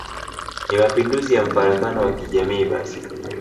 ni Mapinduzi ya mfarakano wa kijamii basi